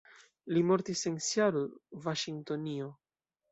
Li mortis en Seattle, Vaŝingtonio.